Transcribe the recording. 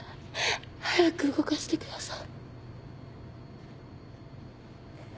早く動かしてください。